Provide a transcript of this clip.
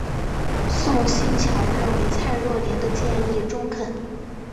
宋欣桥认为蔡若莲的建议中肯。